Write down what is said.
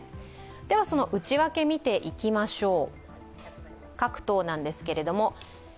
その内訳を見ていきましょう。